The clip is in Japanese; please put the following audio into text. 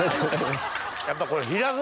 やっぱこれ平戸